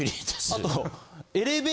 あと。